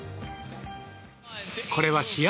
これは試合